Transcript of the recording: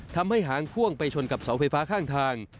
ทำให้หางพ่วงไปชนกับเสาไฟฟ้าข้างทาง